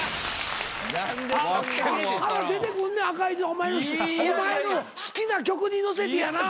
お前の好きな曲に乗せてやな。